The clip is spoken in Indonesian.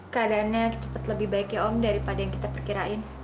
keadaannya cepat lebih baik ya om daripada yang kita perkirain